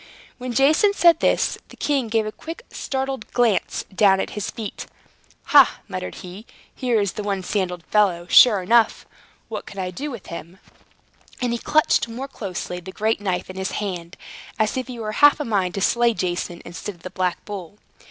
When Jason said this, the king gave a quick startled glance down at his feet. "Ha!" muttered he, "here is the one sandaled fellow, sure enough! What can I do with him?" And he clutched more closely the great knife in his hand, as if he were half a mind to slay Jason, instead of the black bull.